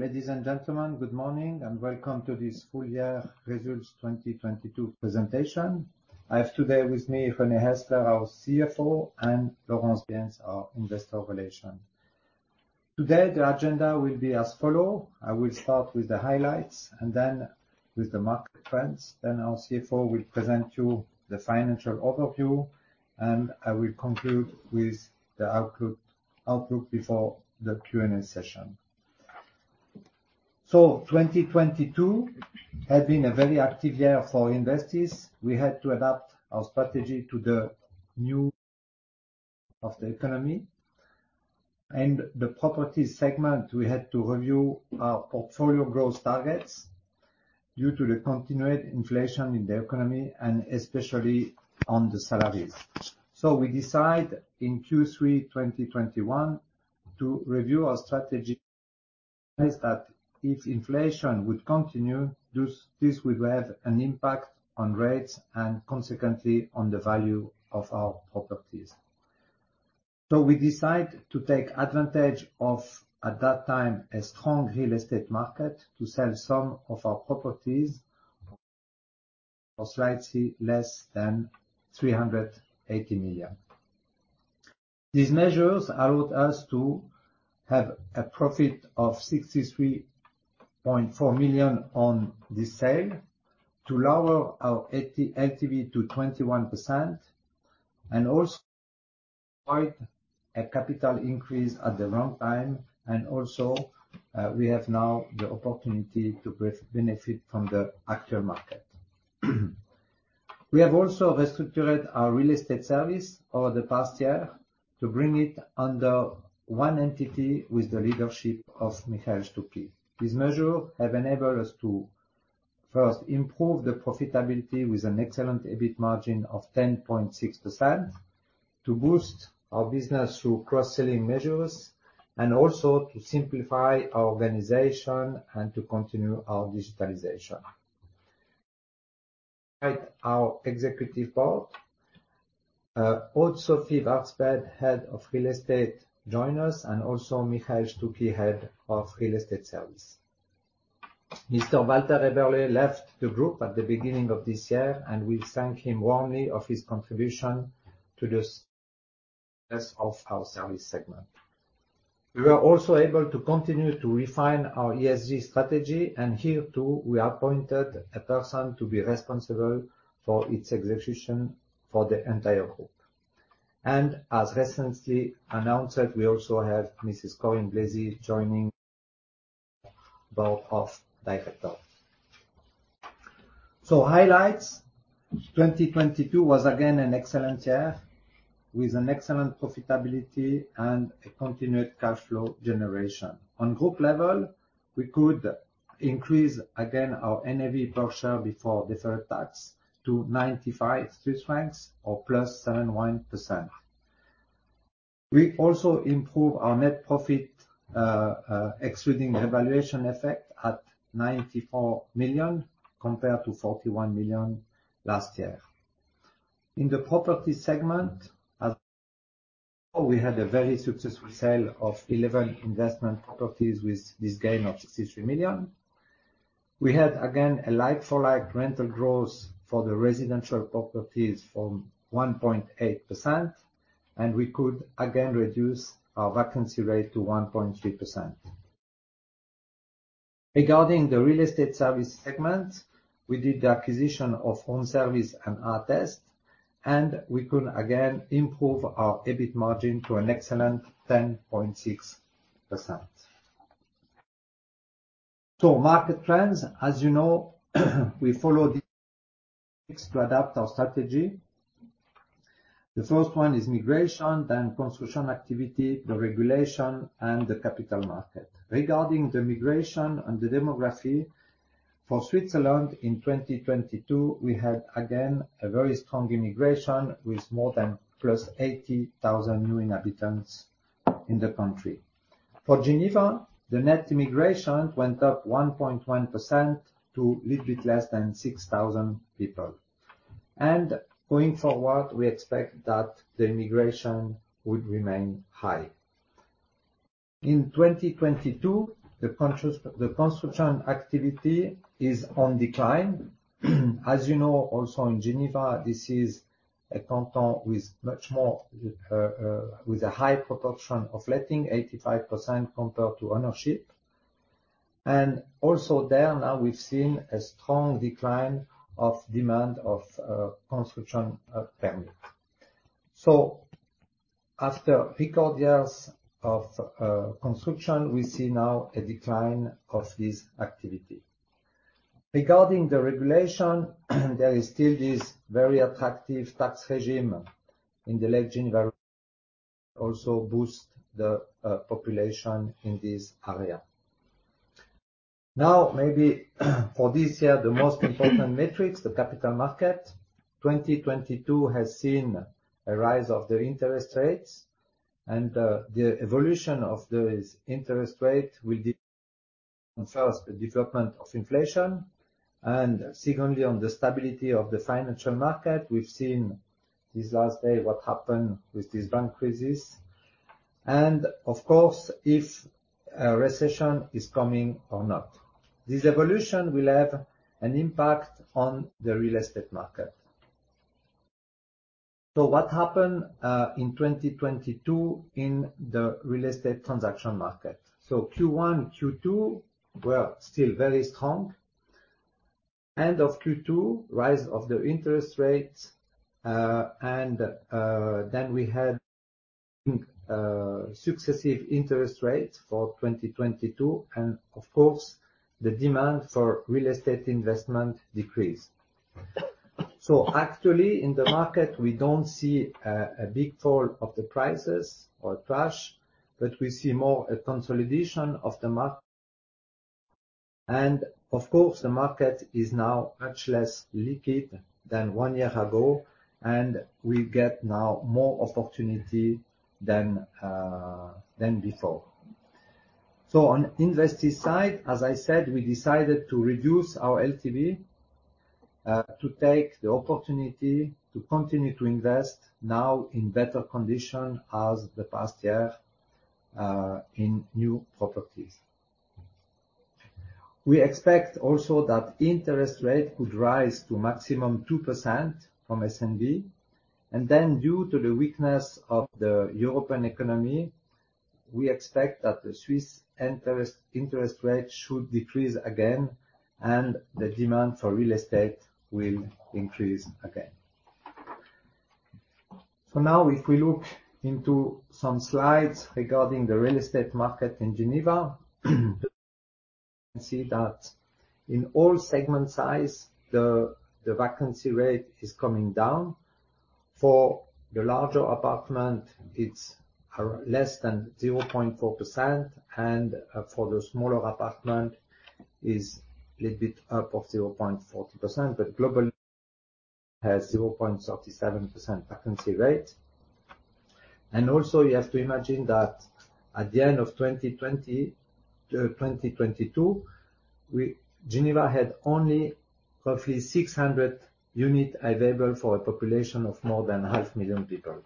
Ladies and gentlemen, good morning and welcome to this full year results 2022 presentation. I have today with me René Häsler, our CFO, and Laurence Bienz, our investor relation. Today, the agenda will be as follow. I will start with the highlights and then with the market trends. Our CFO will present you the financial overview, and I will conclude with the outlook before the Q&A session. 2022 has been a very active year for Investis. We had to adapt our strategy to the new of the economy and the properties segment, we had to review our portfolio growth targets due to the continued inflation in the economy and especially on the salaries. We decide in Q3 2021 to review our strategy is that if inflation would continue, this would have an impact on rates and consequently on the value of our properties. We decide to take advantage of, at that time, a strong real estate market to sell some of our properties for slightly less than 380 million. These measures allowed us to have a profit of 63.4 million on this sale to lower our LTV to 21%, and also avoid a capital increase at the wrong time. Also, we have now the opportunity to benefit from the actual market. We have also restructured our real estate service over the past year to bring it under one entity with the leadership of Michael Stucki. These measure have enabled us to, first, improve the profitability with an excellent EBIT margin of 10.6%, to boost our business through cross-selling measures, and also to simplify our organization and to continue our digitalization. Our executive board, also Sophie Vartzbed, Head Properties, join us and also Michael Stucki, Head Real Estate Services. Mr. Walter Eberle left the group at the beginning of this year, and we thank him warmly of his contribution to the rest of our service segment. We were also able to continue to refine our ESG strategy, and here too, we appointed a person to be responsible for its execution for the entire group. As recently announced, that we also have Mrs. Corine Blesi joining Board of Directors. Highlights. 2022 was again an excellent year with an excellent profitability and a continued cash flow generation. On group level, we could increase again our NAV per share before deferred tax to 95 Swiss francs or +7.1%. We also improve our net profit, excluding revaluation effect at 94 million compared to 41 million last year. In the property segment, as we had a very successful sale of 11 investment properties with this gain of 63 million. We had again a like-for-like rental growth for the residential properties from 1.8%, and we could again reduce our vacancy rate to 1.3%. Regarding the real estate service segment, we did the acquisition of Home Service and Aatest, and we could again improve our EBIT margin to an excellent 10.6%. Market trends. As you know, we follow this to adapt our strategy. The first one is migration, then construction activity, the regulation, and the capital market. Regarding the migration and the demography, for Switzerland in 2022, we had again a very strong immigration with more than +80,000 new inhabitants in the country. For Geneva, the net immigration went up 1.1% to a little bit less than 6,000 people. Going forward, we expect that the immigration would remain high. In 2022, the construction activity is on decline. As you know, also in Geneva, this is a canton with much more with a high proportion of letting 85% compared to ownership. Also there now we've seen a strong decline of demand of construction permit. After record years of construction, we see now a decline of this activity. Regarding the regulation, there is still this very attractive tax regime in the Lake Geneva, also boost the population in this area. Maybe for this year, the most important metrics, the capital market. 2022 has seen a rise of the interest rates and the evolution of those interest rate will on first the development of inflation. Secondly, on the stability of the financial market. We've seen this last day what happened with this bank crisis and of course, if a recession is coming or not. This evolution will have an impact on the real estate market. What happened in 2022 in the real estate transaction market? Q1, Q2 were still very strong. End of Q2, rise of the interest rates, we had successive interest rates for 2022 and of course, the demand for real estate investment decreased. Actually, in the market, we don't see a big fall of the prices or crash, but we see more a consolidation of the market. Of course, the market is now much less liquid than one year ago, and we get now more opportunity than before. On Investis side, as I said, we decided to reduce our LTV to take the opportunity to continue to invest now in better condition as the past year in new properties. We expect also that interest rate could rise to maximum 2% from SNB. Due to the weakness of the European economy, we expect that the Swiss interest rate should decrease again and the demand for real estate will increase again. Now if we look into some slides regarding the real estate market in Geneva, we can see that in all segment size, the vacancy rate is coming down. For the larger apartment, it's less than 0.4%, and for the smaller apartment is a little bit up of 0.40%. Globally, has 0.37% vacancy rate. Also you have to imagine that at the end of 2020 to 2022, Geneva had only roughly 600 units available for a population of more than half million people.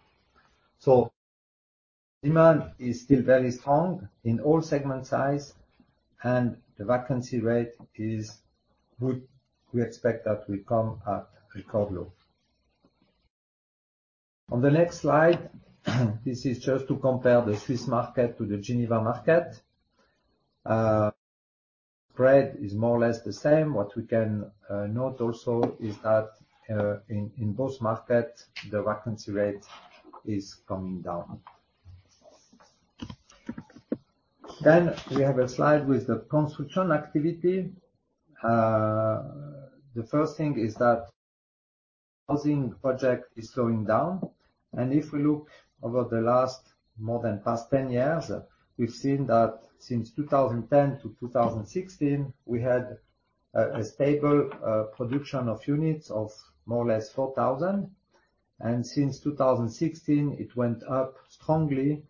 Demand is still very strong in all segment size and the vacancy rate is good. We expect that will come at record low. On the next slide, this is just to compare the Swiss market to the Geneva market. Spread is more or less the same. What we can note also is that in both markets, the vacancy rate is coming down. We have a slide with the construction activity. The first thing is that housing project is slowing down. If we look over the last more than past 10 years, we've seen that since 2010 to 2016, we had a stable production of units of more or less 4,000. Since 2016, it went up strongly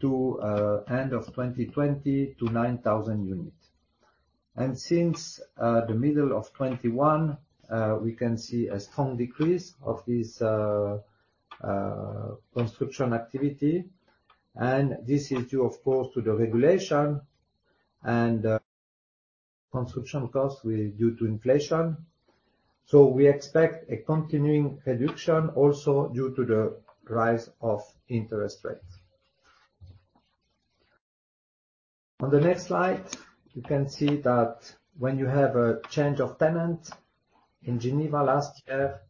to end of 2020 to 9,000 units. Since the middle of 2021, we can see a strong decrease of this construction activity. This is due, of course, to the regulation and construction costs due to inflation. We expect a continuing reduction also due to the rise of interest rates. On the next slide, you can see that when you have a change of tenant in Geneva last year,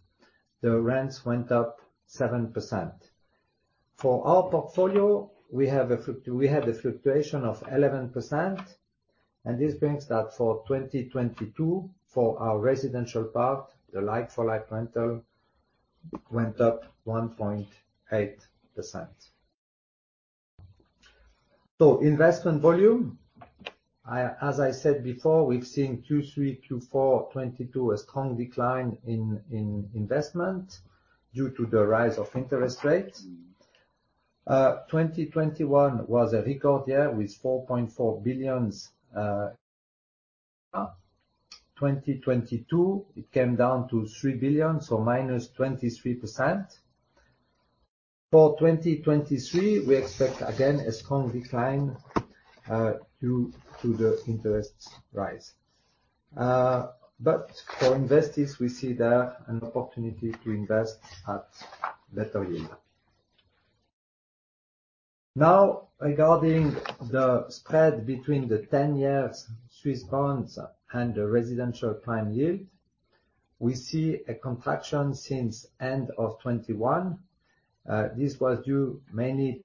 the rents went up 7%. For our portfolio, we had a fluctuation of 11%, and this brings that for 2022 for our residential part, the like-for-like rental went up 1.8%. Investment volume. As I said before, we've seen Q3, Q4 2022 a strong decline in investment due to the rise of interest rates. 2021 was a record year with 4.4 billion. 2022, it came down to 3 billion, so -23%. For 2023, we expect again a strong decline, due to the interest rise. For Investis, we see there an opportunity to invest at better yield. Now regarding the spread between the 10 years Swiss bonds and the residential prime yield. We see a contraction since end of 2021. This was due mainly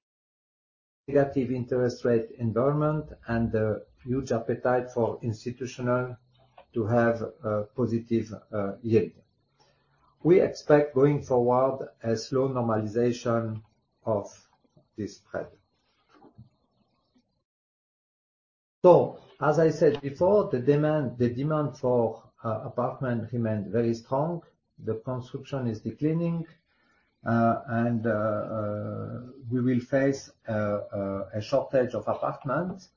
negative interest rate environment and a huge appetite for institutional to have a positive yield. We expect going forward a slow normalization of this spread. As I said before, the demand for apartment remained very strong. The construction is declining. We will face a shortage of apartments.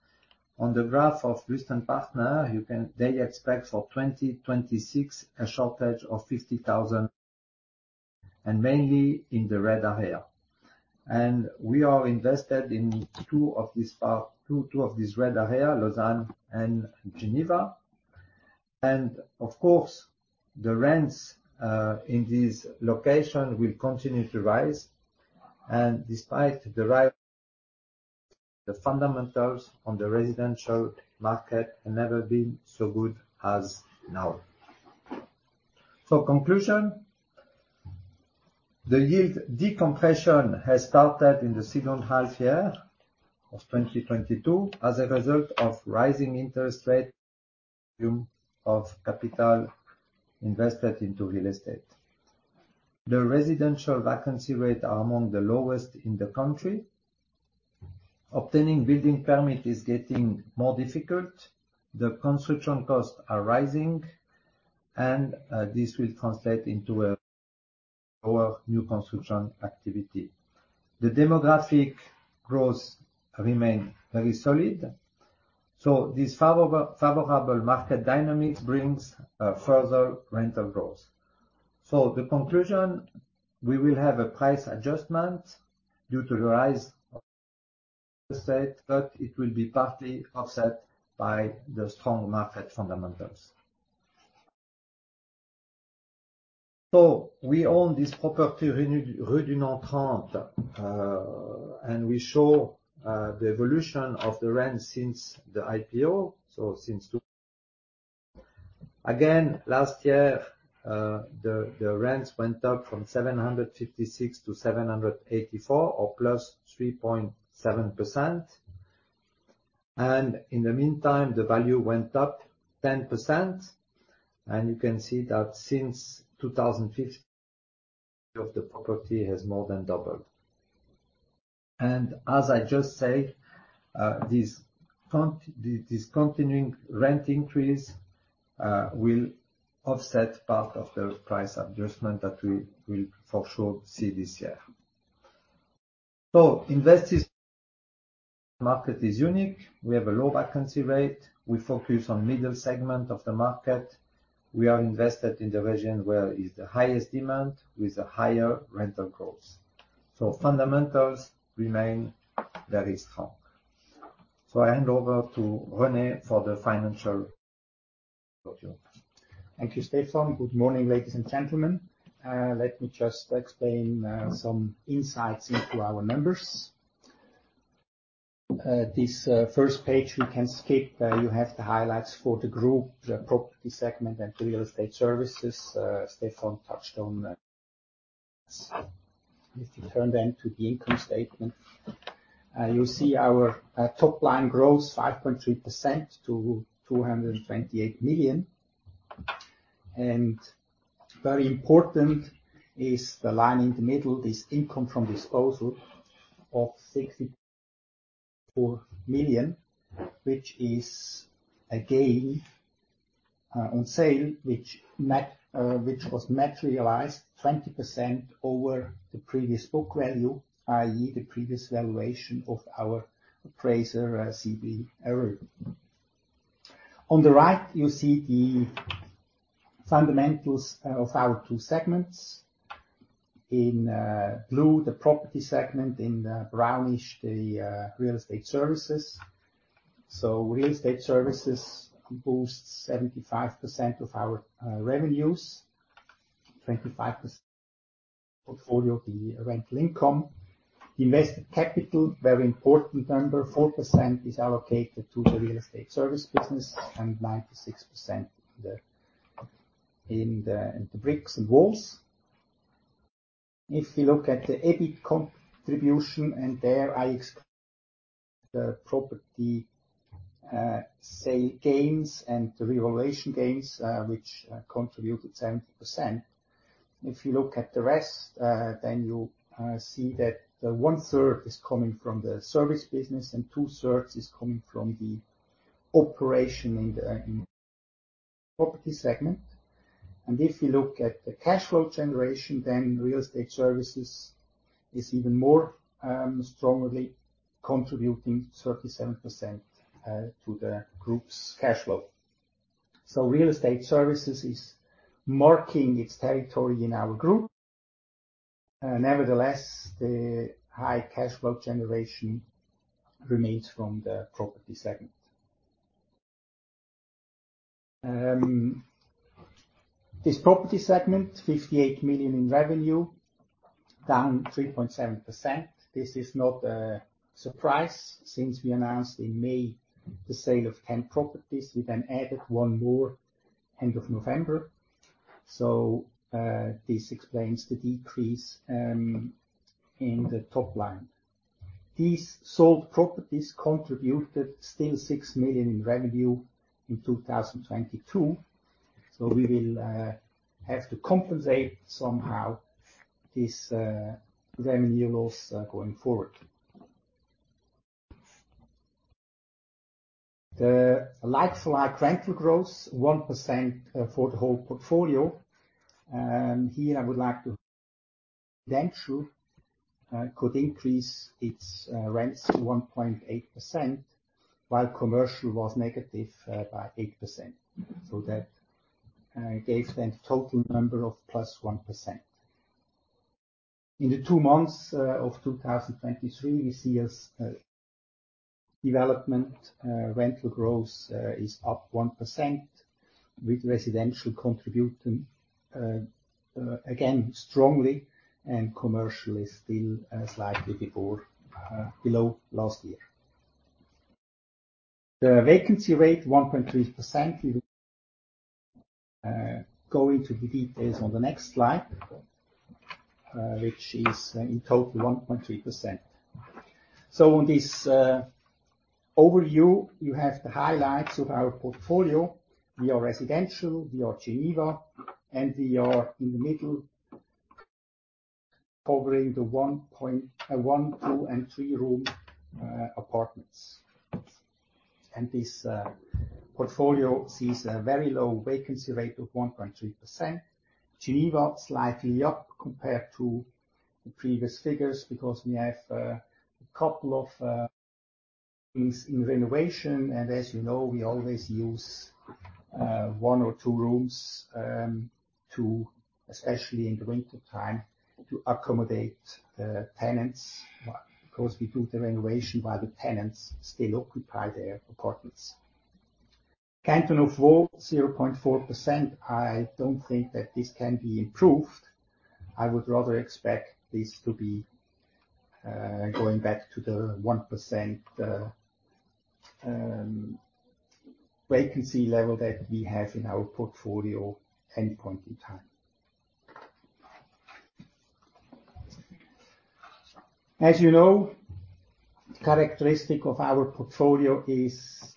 On the graph of Wüest Partner, they expect for 2026 a shortage of 50,000, and mainly in the red area. We are invested in two of these power, two of these red area, Lausanne and Geneva. Of course, the rents in this location will continue to rise. Despite the rise, the fundamentals on the residential market have never been so good as now. Conclusion, the yield decompression has started in the 2nd half of the year of 2022 as a result of rising interest rate of capital invested into real estate. The residential vacancy rate are among the lowest in the country. Obtaining building permit is getting more difficult. The construction costs are rising, and this will translate into a lower new construction activity. The demographic growth remain very solid. This favorable market dynamics brings further rental growth. The conclusion, we will have a price adjustment due to the rise of the state, but it will be partly offset by the strong market fundamentals. We own this property, Rue du Nant 30, and we show the evolution of the rent since the IPO, since last year, the rents went up from 756-784 or +3.7%. In the meantime, the value went up 10%. You can see that since 2015, of the property has more than doubled. As I just said, this continuing rent increase will offset part of the price adjustment that we will for sure see this year. Investis market is unique. We have a low vacancy rate. We focus on middle segment of the market. We are invested in the region where is the highest demand with a higher rental growth. Fundamentals remain very strong. I hand over to René for the financial module. Thank you, Stéphane. Good morning, ladies and gentlemen. Let me just explain some insights into our numbers. This first page we can skip. You have the highlights for the group, the property segment and the real estate services. Stefan touched on that. You see our top line growth 5.3% to 228 million. Very important is the line in the middle, this income from disposal of 64 million, which is a gain on sale, which was materialized 20% over the previous book value, i.e., the previous valuation of our appraiser, CBRE. On the right, you see the fundamentals of our two segments. In blue, the property segment, in brownish, the real estate services. Real estate services boosts 75% of our revenues, 25% portfolio of the rental income. Invested capital, very important number, 4% is allocated to the real estate service business and 96% the bricks and walls. If you look at the EBIT contribution, there I expect the property say gains and the revaluation gains, which contribute to 70%. If you look at the rest, you see that the 1/3 is coming from the service business and 2/3 is coming from the operation in the property segment. If you look at the cash flow generation, real estate services is even more strongly contributing 37% to the group's cash flow. Real estate services is marking its territory in our group. Nevertheless, the high cash flow generation remains from the property segment. This property segment, 58 million in revenue, down 3.7%. This is not a surprise since we announced in May the sale of 10 properties. We then added one more end of November. This explains the decrease in the top line. These sold properties contributed still 6 million in revenue in 2022, so we will have to compensate somehow this revenue loss going forward. The like-for-like rental growth 1% for the whole portfolio. Here I would like to could increase its rents to 1.8%, while commercial was negative by 8%. That gave them total number of +1%. In the two months of 2023, we see as development, rental growth is up 1% with residential contributing again strongly and commercially still slightly before below last year. The vacancy rate 1.3%. We will go into the details on the next slide, which is in total 1.3%. On this overview, you have the highlights of our portfolio. We are residential, we are Geneva, and we are in the middle covering the one, two, and three room apartments. This portfolio sees a very low vacancy rate of 1.3%. Geneva slightly up compared to the previous figures because we have a couple of things in renovation. As you know, we always use one or two rooms, to, especially in the wintertime, to accommodate the tenants. Of course, we do the renovation while the tenants still occupy their apartments. Canton of Vaud, 0.4%. I don't think that this can be improved. I would rather expect this to be going back to the 1% vacancy level that we have in our portfolio any point in time. As you know, characteristic of our portfolio is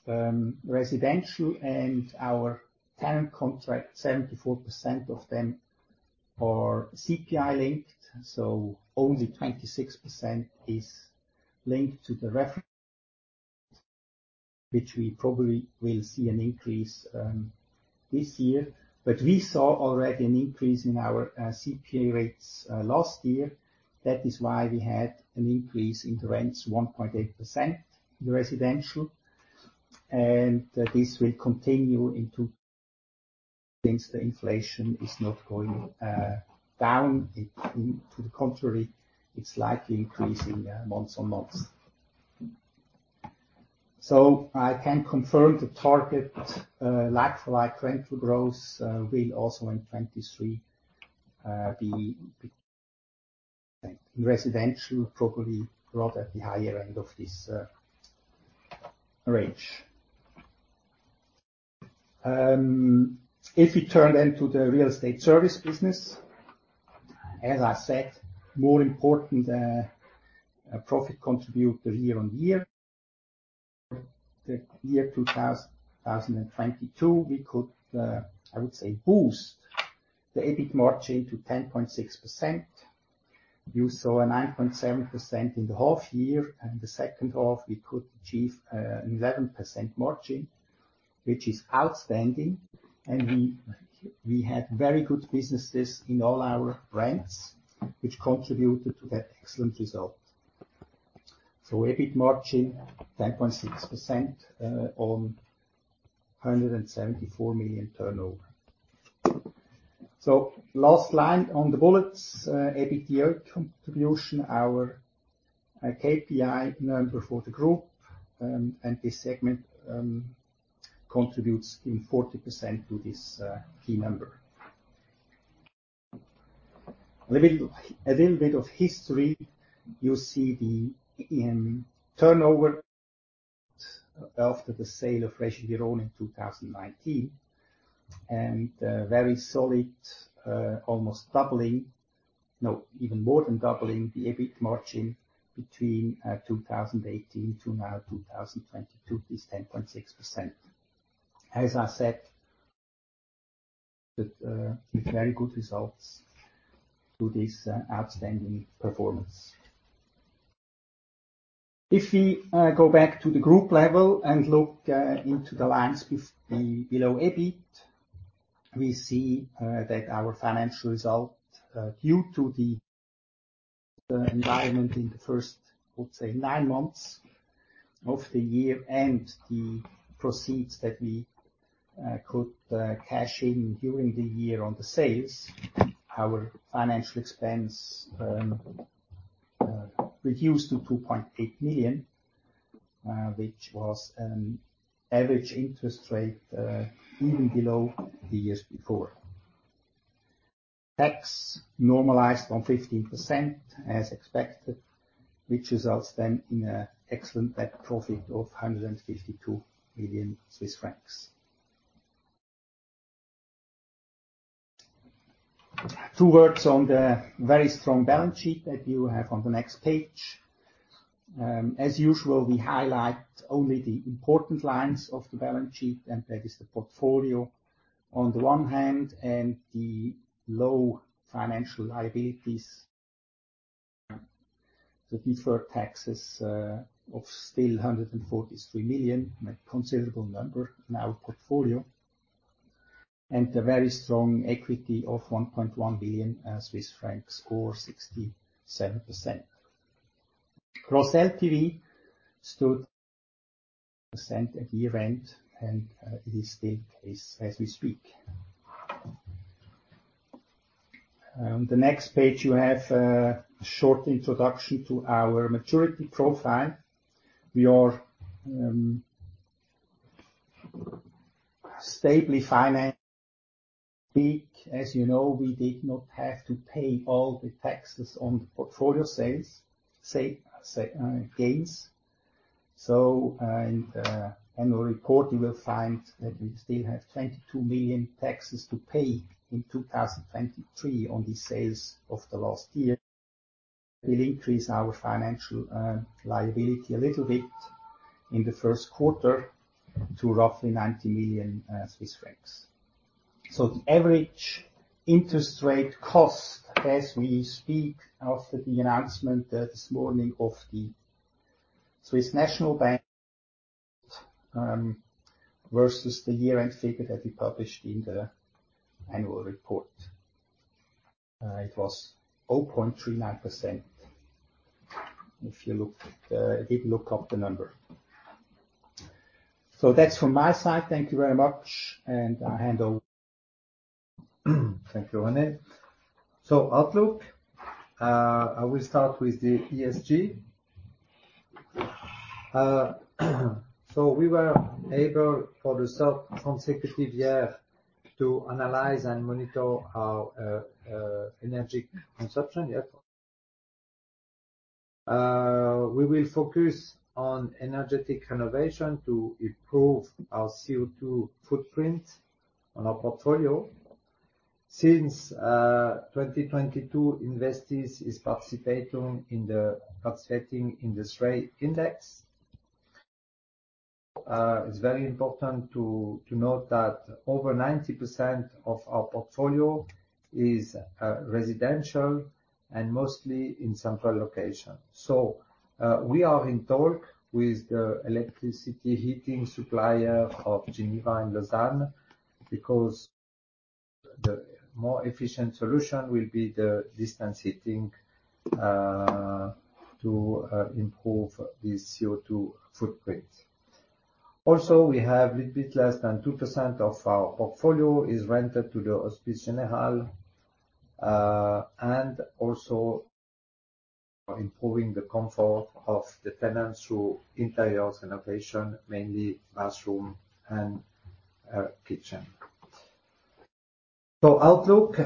residential, and our tenant contract, 74% of them are CPI-linked, so only 26% is linked to the ref- which we probably will see an increase this year. We saw already an increase in our CPI rates last year. That is why we had an increase in the rents, 1.8% in residential. This will continue since the inflation is not going down. To the contrary, it's slightly increasing month-on-month. I can confirm the target like-for-like rental growth will also in 2023 be residential, probably rather at the higher end of this range. If we turn then to the real estate service business, as I said, more important profit contributor year-on-year. The year 2022, we could, I would say, boost the EBIT margin to 10.6%. You saw a 9.7% in the half-year, the 2nd half we could achieve 11% margin, which is outstanding. We had very good businesses in all our brands, which contributed to that excellent result. EBIT margin 10.6% on 174 million turnover. Last line on the bullets, EBITDA contribution, our KPI number for the group, and this segment contributes 40% to this key number. A little bit of history. You see the turnover after the sale of Freches-Villeroy in 2019. A very solid, almost doubling. No, even more than doubling the EBIT margin between 2018 to now 2022, this 10.6%. As I said, the very good results to this outstanding performance. If we go back to the group level and look into the lines below EBIT, we see that our financial result, due to the environment in the first, I would say, nine months of the year and the proceeds that we could cash in during the year on the sales, our financial expense reduced to 2.8 million, which was an average interest rate even below the years before. Tax normalized on 15% as expected, which results then in an excellent profit of 152 million Swiss francs. Two words on the very strong balance sheet that you have on the next page. As usual, we highlight only the important lines of the balance sheet, and that is the portfolio on the one hand, and the low financial liabilities, the deferred taxes of still 143 million, a considerable number in our portfolio. A very strong equity of 1.1 billion Swiss francs or 67%. Gross LTV stood percent at year-end, and it is the case as we speak. On the next page, you have a short introduction to our maturity profile. We are stably financed. As you know, we did not have to pay all the taxes on the portfolio sales gains. In the annual report, you will find that we still have 22 million taxes to pay in 2023 on the sales of the last year. We'll increase our financial liability a little bit in the 1st quarter to roughly 90 million Swiss francs. The average interest rate cost as we speak after the announcement this morning of the Swiss National Bank versus the year-end figure that we published in the annual report. It was 0.39%. If you look, did look up the number. That's from my side. Thank you very much. I hand over. Thank you, René. Outlook. I will start with the ESG. We were able for the third consecutive year to analyze and monitor our energy consumption. Yeah. We will focus on energetic renovation to improve our CO2 footprint on our portfolio. Since 2022 Investis is participating in the SRI index. It's very important to note that over 90% of our portfolio is residential and mostly in central location. We are in talk with the electricity heating supplier of Geneva and Lausanne because the more efficient solution will be the distance heating to improve the CO2 footprint. We have a little bit less than 2% of our portfolio is rented to the Hospice Général, and also improving the comfort of the tenants through interior renovation, mainly bathroom and kitchen. Outlook.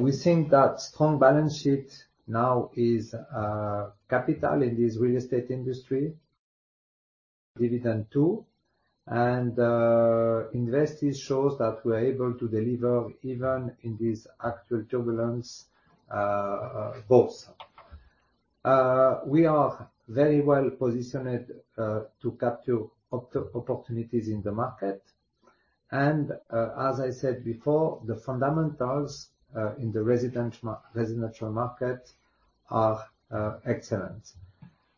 We think that strong balance sheet now is capital in this real estate industry. Dividend two. Investis shows that we're able to deliver even in this actual turbulence, both. We are very well positioned to capture opportunities in the market. As I said before, the fundamentals in the residential market are excellent.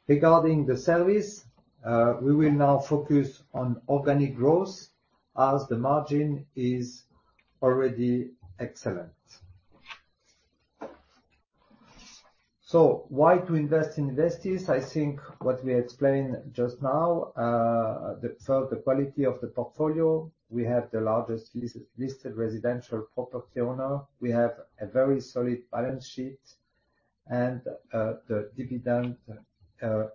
Regarding the service, we will now focus on organic growth as the margin is already excellent. Why to invest in Investis? I think what we explained just now, first the quality of the portfolio. We have the largest listed residential property owner. We have a very solid balance sheet. The dividend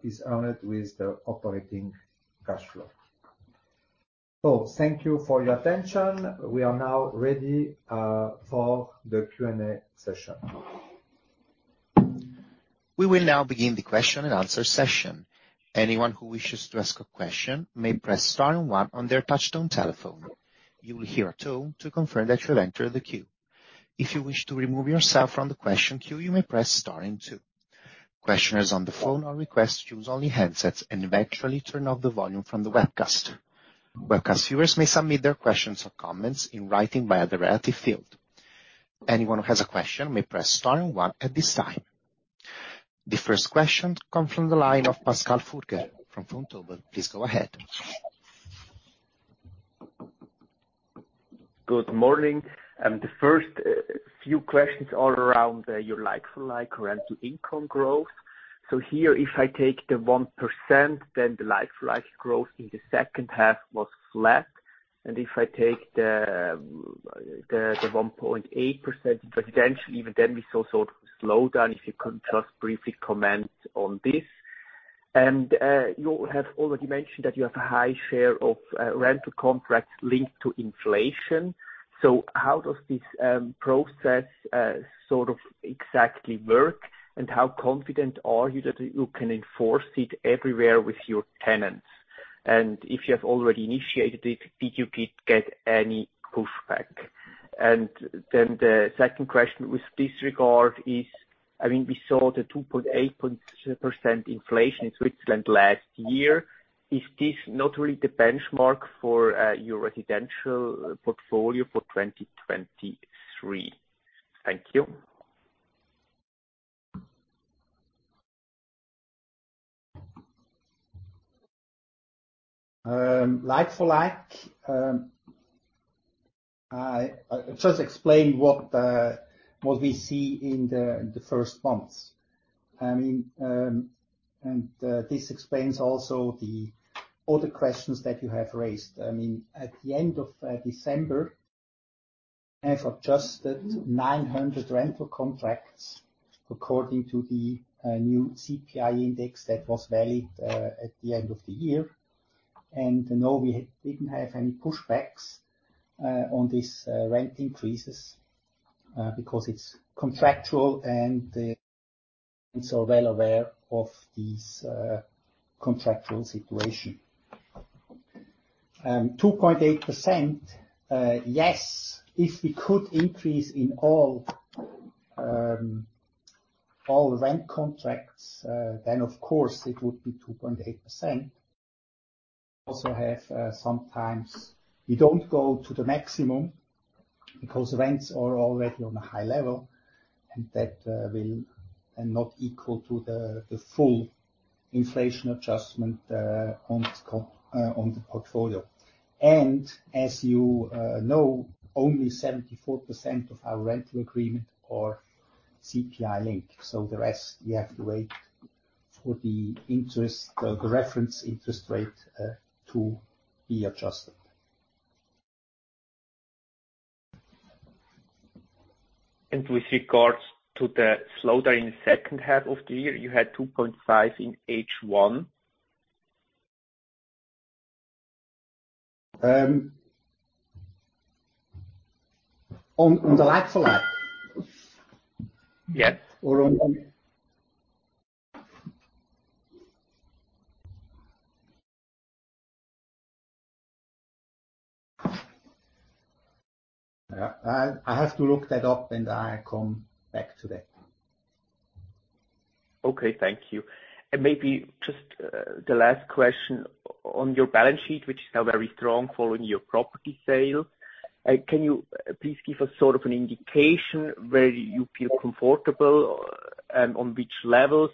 is earned with the operating cash flow. Thank you for your attention. We are now ready for the Q&A session. We will now begin the question and answer session. Anyone who wishes to ask a question may press star and one on their touch-tone telephone. You will hear a tone to confirm that you have entered the queue. If you wish to remove yourself from the question queue, you may press star and two. Questioners on the phone are requested to use only headsets and eventually turn off the volume from the webcast. Webcast viewers may submit their questions or comments in writing via the relative field. Anyone who has a question may press star and 1 at this time. The first question comes from the line of Pascal Furer from Vontobel. Please go ahead. Good morning. The first few questions are around your like-for-like rental income growth. Here if I take the 1%, then the like-for-like growth in the 2nd half was flat. If I take the 1.8% residential, even then we saw sort of slowdown. If you can just briefly comment on this. You have already mentioned that you have a high share of rental contracts linked to inflation. How does this process sort of exactly work? How confident are you that you can enforce it everywhere with your tenants? If you have already initiated it, did you get any pushback? The second question with this regard is, I mean, we saw the 2.8% inflation in Switzerland last year. Is this not really the benchmark for your residential portfolio for 2023? Thank you. Like-for-like, I just explained what we see in the first months. I mean, this explains also the other questions that you have raised. I mean, at the end of December, I've adjusted 900 rental contracts according to the new CPI index that was valid at the end of the year. No, we didn't have any pushbacks on this rent increases because it's contractual and the tenants are well aware of this contractual situation. 2.8%. Yes, if we could increase in all all rent contracts, of course it would be 2.8%. Also have, sometimes we don't go to the maximum because rents are already on a high level, that will... Not equal to the full inflation adjustment on the portfolio. As you know, only 74% of our rental agreement are CPI linked. The rest we have to wait for the interest, the reference interest rate to be adjusted. With regards to the slowdown in the 2nd half of the year, you had 2.5% in H1? On the like-for-like? Yeah. I have to look that up, and I come back to that. Okay. Thank you. Maybe just, the last question. On your balance sheet, which is now very strong following your property sale, can you please give us sort of an indication where you feel comfortable and on which levels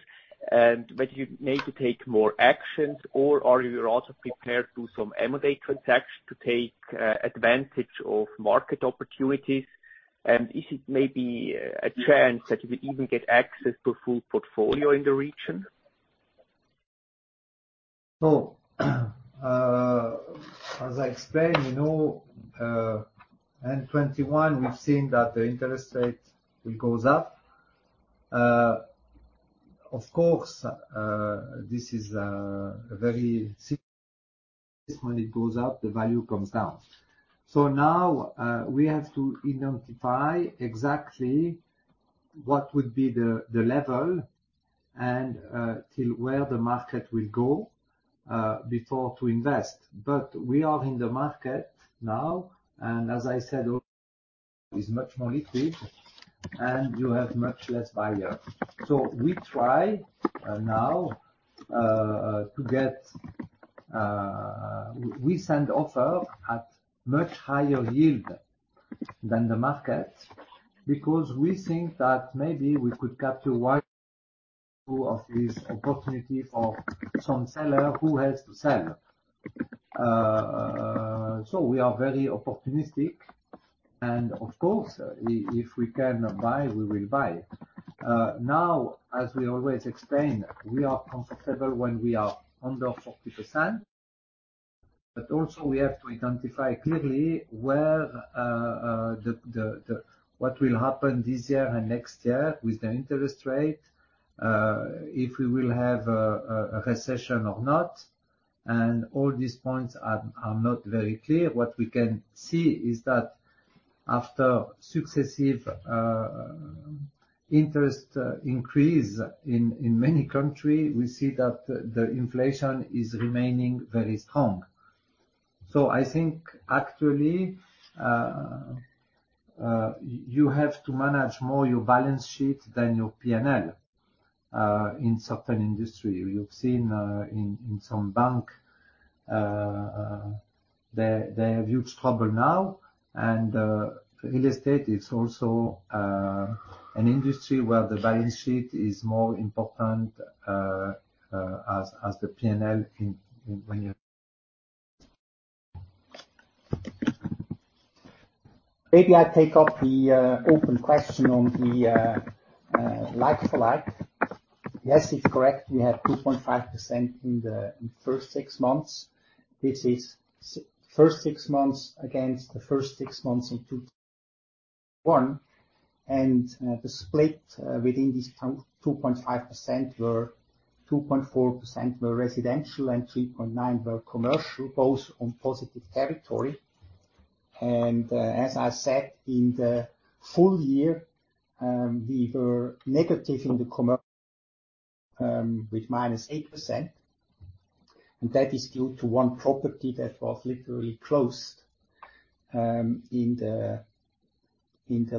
and whether you need to take more actions or are you also prepared to some M&A transaction to take advantage of market opportunities? Is it maybe a chance that you will even get access to full portfolio in the region? As I explained, you know, 2021, we've seen that the interest rate will goes up. Of course, this is a very simple when it goes up, the value comes down. Now, we have to identify exactly what would be the level and till where the market will go before to invest. We are in the market now, and as I said earlier, is much more liquid, and you have much less buyer. We try now. We send offer at much higher yield than the market because we think that maybe we could capture one or two of these opportunity for some seller who has to sell. We are very opportunistic and of course, if we can buy, we will buy. Now, as we always explain, we are comfortable when we are under 40%, but also we have to identify clearly what will happen this year and next year with the interest rate, if we will have a recession or not. All these points are not very clear. What we can see is that after successive interest increase in many country, we see that the inflation is remaining very strong. I think actually, you have to manage more your balance sheet than your P&L in certain industry. You've seen in some bank, they have huge trouble now and real estate is also an industry where the balance sheet is more important as the P&L in when you- Maybe I take up the open question on the like-for-like. Yes, it's correct. We have 2.5% in the first six months. This is first s months against the first six months in 2021. The split within this count 2.5% were 2.4% were residential and 3.9% were commercial, both on positive territory. As I said, in the full year, we were negative in the commercial with -8%. That is due to one property that was literally closed in the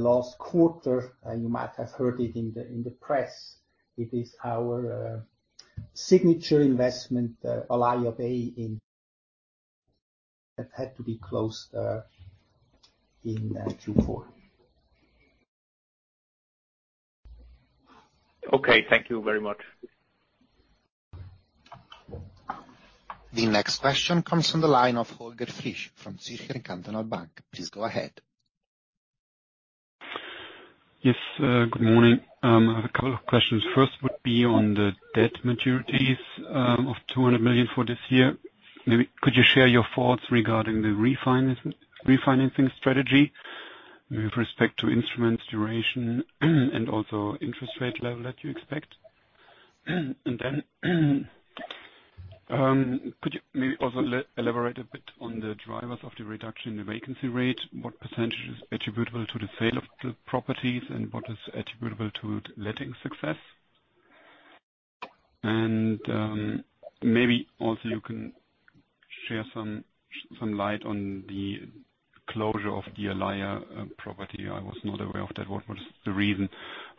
last quarter. You might have heard it in the press. It is our signature investment, Alaïa Bay, that had to be closed in Q4. Okay, thank you very much. The next question comes from the line of Holger Frisch from Zürcher Kantonalbank. Please go ahead. Yes, good morning. I have a couple of questions. First would be on the debt maturities of 200 million for this year. Could you share your thoughts regarding the refinancing strategy with respect to instruments duration and also interest rate level that you expect? Could you maybe also elaborate a bit on the drivers of the reduction in the vacancy rate, what percent is attributable to the sale of the properties, and what is attributable to letting success? Maybe also you can share some light on the closure of the Alaïa property. I was not aware of that. What was the reason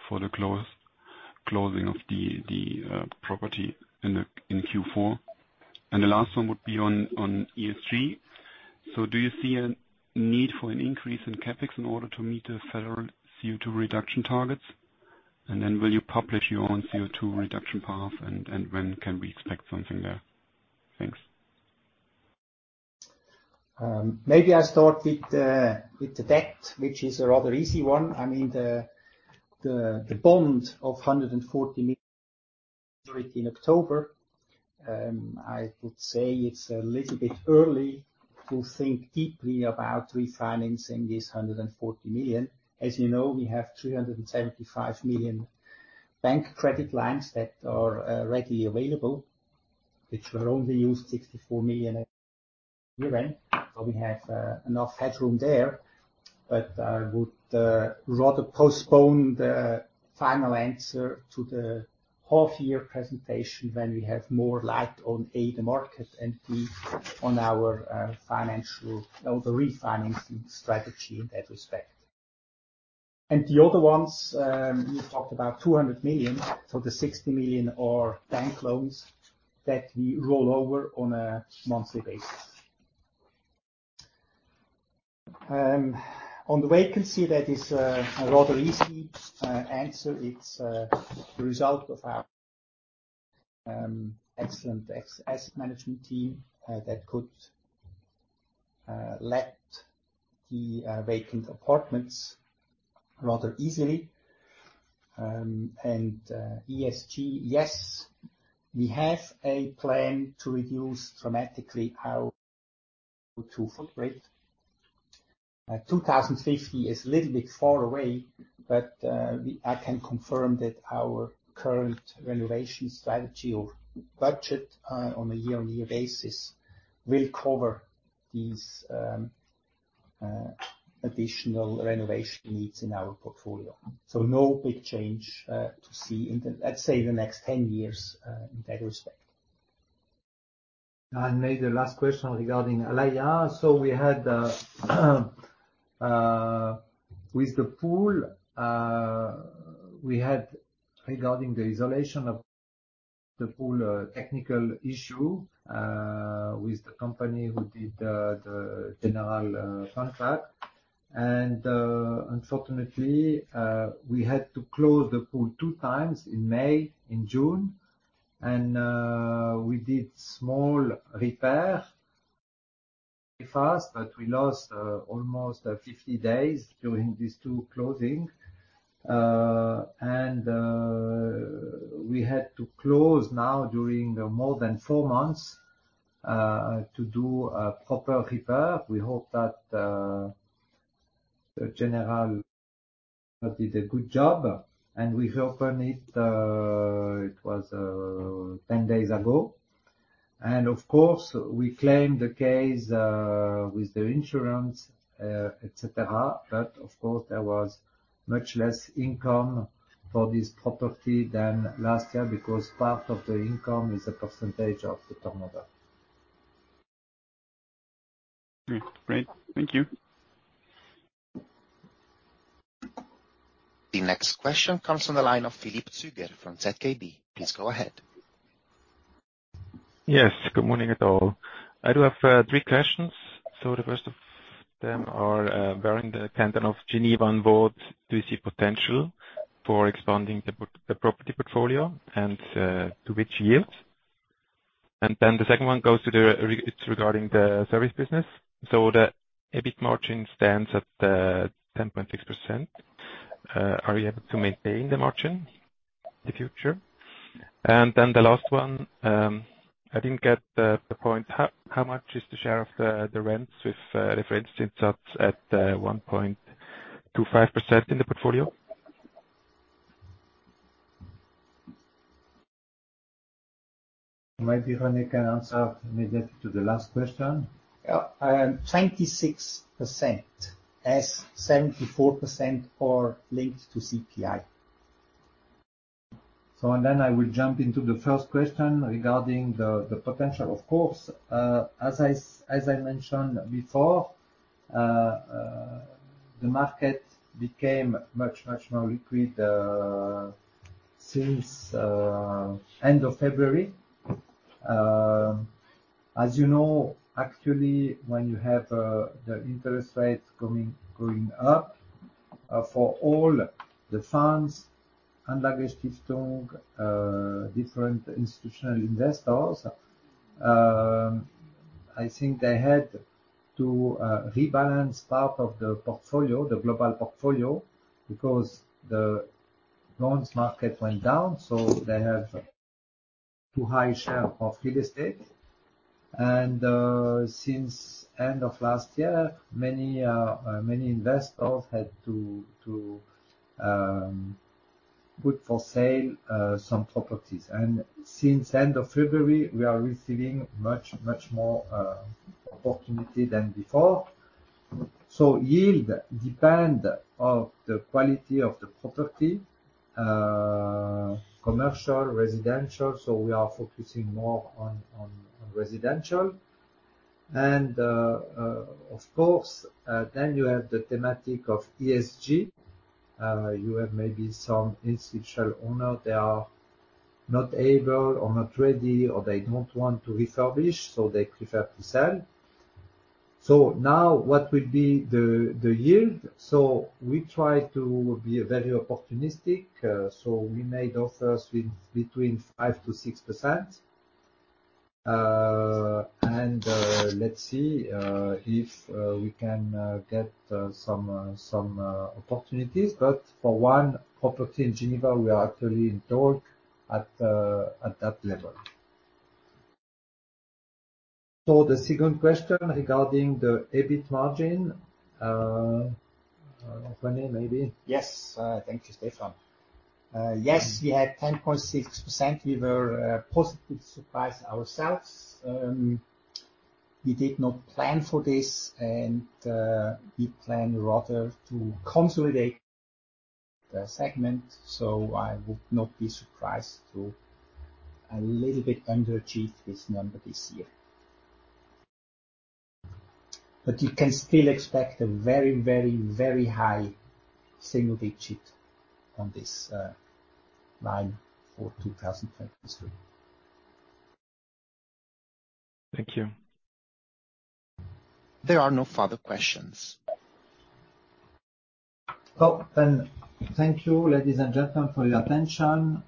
for the closing of the property in Q4? The last one would be on ESG. Do you see a need for an increase in CapEx in order to meet the federal CO2 reduction targets? Will you publish your own CO2 reduction path and when can we expect something there? Thanks. Maybe I start with the debt, which is a rather easy one. I mean, the bond of 140 million in October, I would say it's a little bit early to think deeply about refinancing this 140 million. As you know, we have 375 million bank credit lines that are readily available, which were only used 64 million at year-end. We have enough headroom there. I would rather postpone the final answer to the half year presentation when we have more light on, A, the market and, B, on our financial or the refinancing strategy in that respect. The other ones, you talked about 200 million for the 60 million are bank loans that we roll over on a monthly basis. On the vacancy, that is a rather easy answer. It's a result of our excellent asset management team that could let the vacant apartments rather easily. ESG, yes, we have a plan to reduce dramatically our CO2 footprint. 2050 is a little bit far away, I can confirm that our current renovation strategy or budget on a year-on-year basis will cover these additional renovation needs in our portfolio. No big change to see in the, let's say, the next 10 years in that respect. I'll make the last question regarding Alaïa. We had, with the pool, we had regarding the isolation of the pool, a technical issue, with the company who did, the general, contract. Unfortunately, we had to close the pool two times in May and June, we did small repair fast, but we lost, almost 50 days during these two closing. We had to close now during the more than four months, to do a proper repair. We hope that, the general did a good job, we opened it was, 10 days ago. Of course, we claimed the case, with the insurance, et cetera. Of course, there was much less income for this property than last year because part of the income is a percentage of the turnover. Okay. Great. Thank you. The next question comes from the line of Philippe Züger from ZKB. Please go ahead. Yes. Good morning at all. I do have three questions. The first of them are bearing the canton of Geneva on board, do you see potential for expanding the property portfolio and to which yields? The second one goes to It's regarding the service business. The EBIT margin stands at 10.6%. Are you able to maintain the margin in the future? The last one, I didn't get the point. How much is the share of the rents with reference to that at 1.25% in the portfolio? Maybe René can answer maybe to the last question. Yeah. 26%, as 74% are linked to CPI. I will jump into the first question regarding the potential. Of course, as I mentioned before, the market became much more liquid since end of February. As you know, actually, when you have the interest rates coming, going up, for all the funds and aggressive tone, different institutional investors, I think they had to rebalance part of the portfolio, the global portfolio, because the loans market went down, so they have too high a share of real estate. Since end of last year, many investors had to put for sale some properties. Since end of February, we are receiving much more opportunity than before. Yield depend of the quality of the property, commercial, residential. We are focusing more on residential. Of course, then you have the thematic of ESG. You have maybe some institutional owner, they are not able or not ready, or they don't want to refurbish, so they prefer to sell. Now what will be the yield? We try to be very opportunistic. We made offers with between 5%-6%. And let's see if we can get some opportunities. For one property in Geneva, we are actually in talk at that level. The second question regarding the EBIT margin. René, maybe. Yes. Thank you, Stéphane. Yes, we had 10.6%. We were positively surprised ourselves. We did not plan for this and we plan rather to consolidate the segment. I would not be surprised to a little bit underachieve this number this year. You can still expect a very, very, very high single digit on this line for 2023. Thank you. There are no further questions. Oh, thank you, ladies and gentlemen, for your attention.